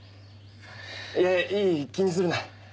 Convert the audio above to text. いやいい気にするな。